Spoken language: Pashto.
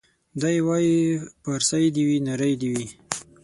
دی وايي پارسۍ دي وي نرۍ دي وي